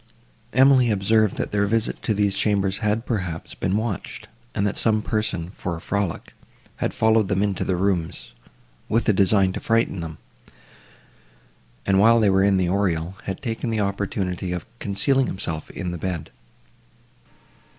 Emily observed, that their visit to these chambers had, perhaps, been watched, and that some person, for a frolic, had followed them into the rooms, with a design to frighten them, and, while they were in the oriel, had taken the opportunity of concealing himself in the bed.